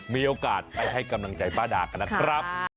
มีโอกาสไปให้กำลังใจป้าดากันนะครับ